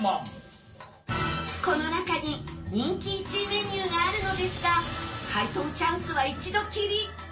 この中に人気１位メニューがあるのですが解答チャンスは一度きり